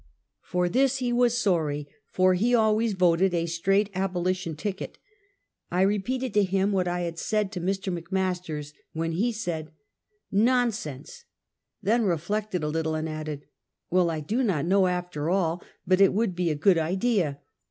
For this he was sorry, for he always voted a straight abolition ticket. I re peated to him what I had said to Mr. McMasters, when he said :" Konsense !" then reflected a little, and added, "Well, I do not know after all but it would be a good idea.